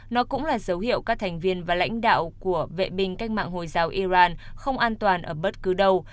nó cũng là dấu hiệu các thành viên và lãnh đạo của vệ binh cách mạng hồi giáo iran không an toàn ở bất cứ đâu